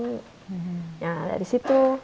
nah dari situ